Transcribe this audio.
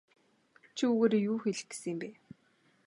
Чи үүгээрээ юу хэлэх гэсэн юм бэ?